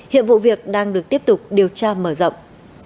hiện vụ việc đang được tiếp tục điều tra mở rộng